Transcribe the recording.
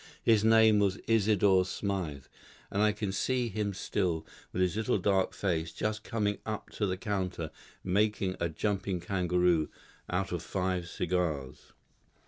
His name was Isidore Smythe; and I can see him still, with his little dark face, just coming up to the counter, making a jumping kangaroo out of five cigars.